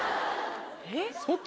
えっ？